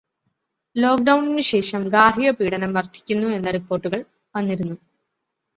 ലോക്ക്ഡൗണിന് ശേഷം ഗാർഹികപീഡനം വർധിക്കുന്നു എന്ന റിപ്പോർടുകൾ വന്നിരുന്നു.